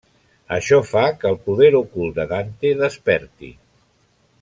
Això fa que el poder ocult de Dante desperti.